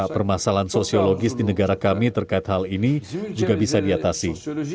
permasalahan sosiologis di negara kami terkait hal ini juga bisa diatasi